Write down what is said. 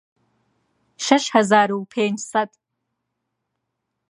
شەش هەزار و پێنج سەد